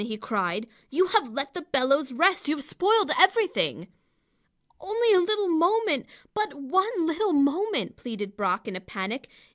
he cried. "You have let the bellows rest! You have spoiled everything!" "Only a little moment, but one little moment," pleaded Brock, in a panic.